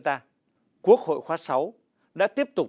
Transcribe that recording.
thứ tư quốc hội khóa sáu đã tiếp tục